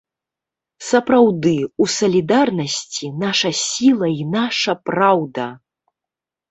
Сапраўды, у салідарнасці наша сіла і наша праўда!